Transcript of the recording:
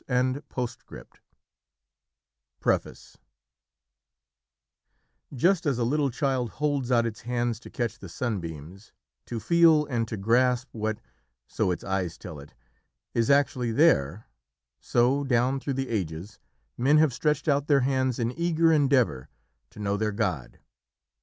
(See page 209)] PREFACE Just as a little child holds out its hands to catch the sunbeams, to feel and to grasp what, so its eyes tell it, is actually there, so, down through the ages, men have stretched out their hands in eager endeavour to know their God.